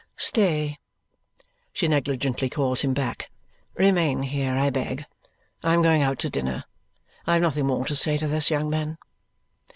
"Stay!" She negligently calls him back. "Remain here, I beg. I am going out to dinner. I have nothing more to say to this young man!"